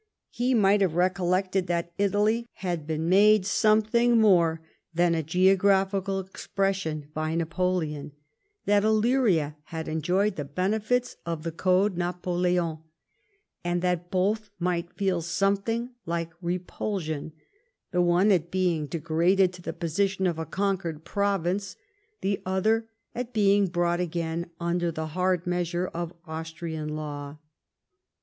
He might have recollected that Italy had been made something more than a geographical expression by Napoleon ; that Illyria had enjoyed the benefits of the Code Napoleon ; and that both might feel something like repulsion — the one at being degraded to the position of a conquered province, the other at being brought again under the hard measure of Austrian law.